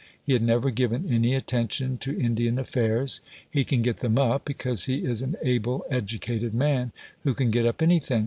He had never given any attention to Indian affairs; he can get them up, because he is an able educated man who can get up anything.